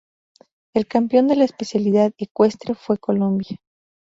El campeón de la especialidad Ecuestre fue Colombia.